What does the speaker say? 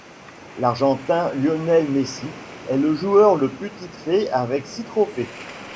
L'Argentin Lionel Messi est le joueur le plus titré avec six trophées.